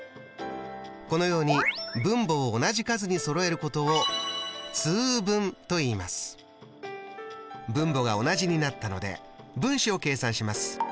このように分母を同じ数にそろえることを分母が同じになったので分子を計算します。